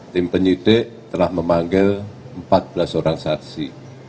tim penyidik telah memanggil empat belas orang saksi